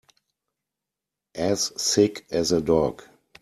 As sick as a dog.